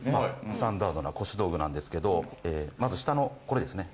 スタンダードな腰道具なんですけどまず下のこれですね